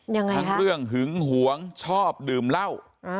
ยังไงทั้งเรื่องหึงหวงชอบดื่มเหล้า